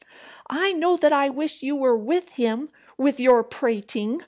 "I know that I wish you were with him, with your prating!"